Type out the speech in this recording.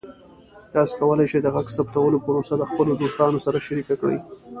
تاسو کولی شئ د غږ ثبتولو پروسه د خپلو دوستانو سره شریکه کړئ.